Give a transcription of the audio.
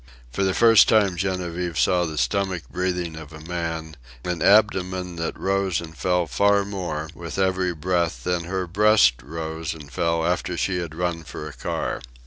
For the first time Genevieve saw the stomach breathing of a man, an abdomen that rose and fell far more with every breath than her breast rose and fell after she had run for a car.